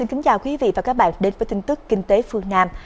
xin kính chào quý vị và các bạn đến với tin tức kinh tế phương nam